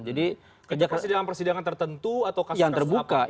jadi persidangan persidangan tertentu atau kasus kasus apa